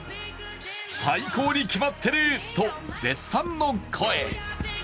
最高にキマってると絶賛の声。